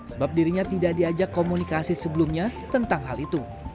sebab dirinya tidak diajak komunikasi sebelumnya tentang hal itu